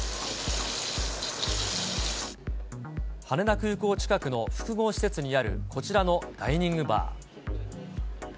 羽田空港近くの複合施設にあるこちらのダイニングバー。